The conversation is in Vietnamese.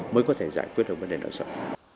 mới có thể giải quyết được vấn đề nợ xấu